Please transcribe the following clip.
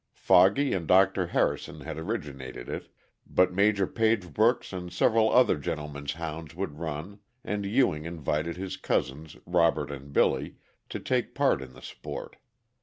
Foggy and Dr. Harrison had originated it, but Major Pagebrook's and several other gentlemen's hounds would run, and Ewing invited his cousins, Robert and Billy, to take part in the sport.